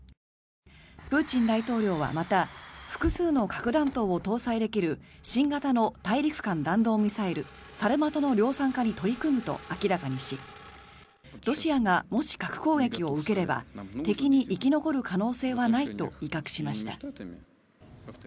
プーチン大統領はまた複数の核弾頭を搭載できる新型の大陸間弾道ミサイルサルマトの量産化に取り組むと明らかにしロシアがもし核攻撃を受ければ敵に生き残る可能性はないと威嚇しました。